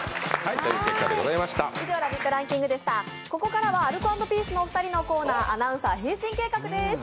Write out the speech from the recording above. ここからはアルコ＆ピースのお二人のコーナー「アナウンサー変身計画」です。